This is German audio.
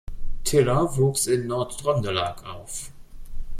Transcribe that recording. Tiller wuchs in Nord-Trøndelag auf.